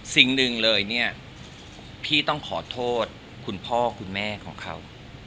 สิ่งหนึ่งเลยเนี่ยพี่ต้องขอโทษคุณพ่อคุณแม่ของเขา